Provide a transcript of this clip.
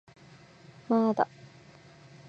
まーだ